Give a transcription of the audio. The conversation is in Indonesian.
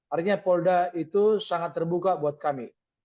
artinya polda itu sangat terbuka buat kami